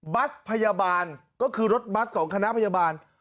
บัสพยาบาลก็คือรถบัสของคณะพยาบาล